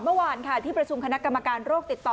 เมื่อวานค่ะที่ประชุมคณะกรรมการโรคติดต่อ